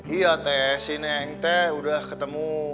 iya teh si neng teh udah ketemu